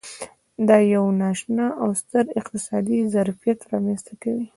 دا یو نا اشنا او ستر اقتصادي ظرفیت رامنځته کوي.